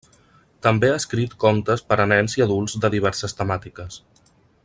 També ha escrit contes per a nens i adults de diverses temàtiques.